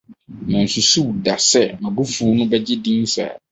Mansusuw da sɛ m'abufuw no begye din saa.